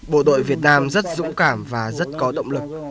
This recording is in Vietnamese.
bộ đội việt nam rất dũng cảm và rất có động lực